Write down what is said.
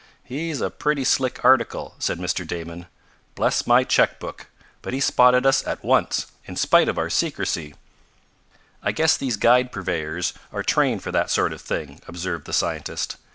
"He's a pretty slick article," said Mr. Damon. "Bless my check book! but he spotted us at once, in spite of our secrecy." "I guess these guide purveyors are trained for that sort of thing," observed the scientist.